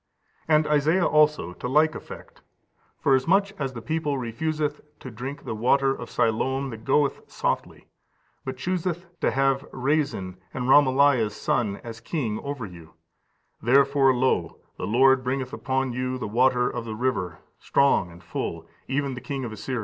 15221522 Jer. iv. 11. And Isaiah also to the like effect: "Forasmuch as the people refuseth to drink the water of Siloam that goeth softly, but chooseth to have Rasin and Romeliah's son as king over you: therefore, lo, the Lord bringeth up upon you the water of the river, strong and full, even the king of Assyria."